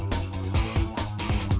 tidak ada yang bisa dikunci